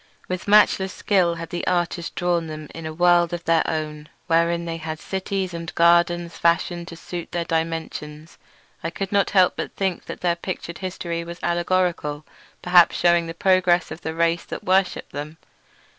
With matchless skill had the artist drawn them in a world of their own, wherein they had cities and gardens fashioned to suit their dimensions; and I could not but think that their pictured history was allegorical, perhaps shewing the progress of the race that worshipped them.